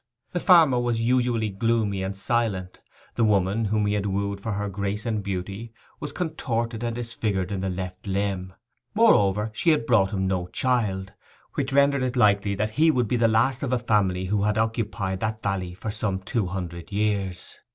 The farmer was usually gloomy and silent: the woman whom he had wooed for her grace and beauty was contorted and disfigured in the left limb; moreover, she had brought him no child, which rendered it likely that he would be the last of a family who had occupied that valley for some two hundred years.